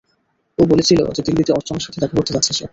ও বলেছিল যে দিল্লীতে অর্চনার সাথে দেখা করতে যাচ্ছে সে।